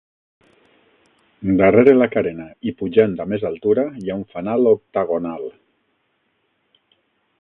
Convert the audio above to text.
Darrere la carena i pujant a més altura, hi ha un fanal octagonal.